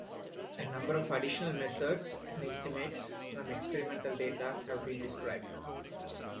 A number of additional methods and estimates from experimental data have been described.